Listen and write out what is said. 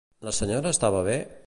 La senyora estava bé?